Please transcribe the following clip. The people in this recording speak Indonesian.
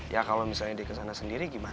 ya kalo misalnya dia kesana sendiri gimana